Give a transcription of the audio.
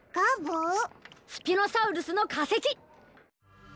スピノサウルスのかせき！